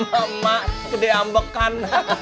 nah sama emak ke deyam bekan